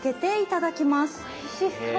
おいしそう。